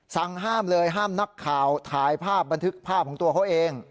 สั่งห้ามเลยห้ามนักข่าวถ่ายภาพบันทึกภาพของตัวเขาเอง